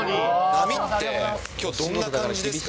波ってきょう、どんな感じですか？